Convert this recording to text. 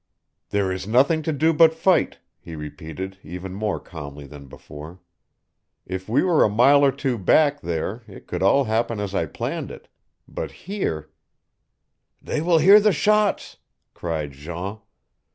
"There is nothing to do but fight," he repeated, even more calmly than before. "If we were a mile or two back there it could all happen as I planned it. But here " "They will hear the shots," cried Jean.